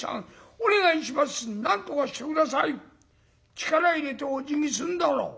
力入れておじぎすんだろ。